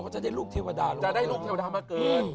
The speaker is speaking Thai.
จะได้ลูกเทวดามาเกิด